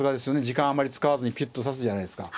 時間あんまり使わずにピュッと指すじゃないですか。